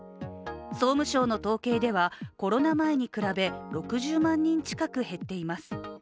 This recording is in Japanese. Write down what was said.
総務省の統計では、コロナ前に比べ６０万人近く減っています。